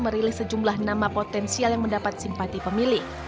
merilis sejumlah nama potensial yang mendapat simpati pemilih